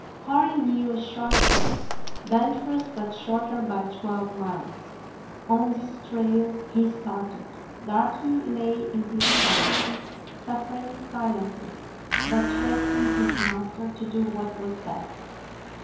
Hori knew a short cut, dangerous, but shorter by twelve miles. On this trail he 116 A NEW ZEALAND DOG started. Darky lay in his arms, suffering si lently, but trusting his master to do what was best.